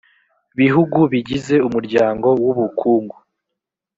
bihugu bigize umuryango w ubukungu